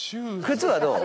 靴はどう？